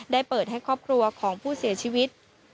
ได้เปิดให้ครอบครัวของผู้เสียชีวิต